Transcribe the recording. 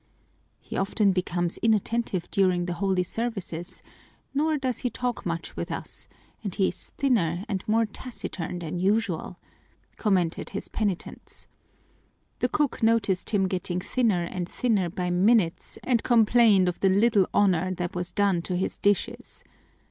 "He often becomes inattentive during the holy services, nor does he talk much with us, and he is thinner and more taciturn than usual," commented his penitents. The cook noticed him getting thinner and thinner by minutes and complained of the little honor that was done to his dishes.